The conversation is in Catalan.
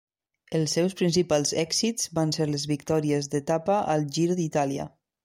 Els seus principals èxits van ser les victòries d'etapa al Giro d'Itàlia.